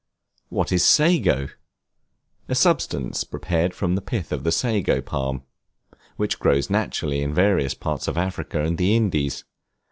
What is Sago? A substance prepared from the pith of the Sago Palm, which grows naturally in various parts of Africa and the Indies.